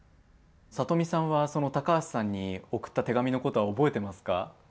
里見さんは高橋さんに送った手紙のことは覚えてますか？